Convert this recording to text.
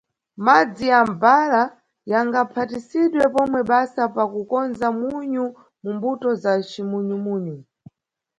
Madzi ya mʼbhara yangaphatisidwe pomwe basa pa kukonza munyu mu mbuto za cimunyu-munyu.